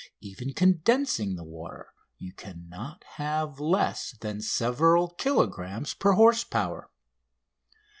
Even condensing the water, you cannot have less than several kilogrammes per horse power.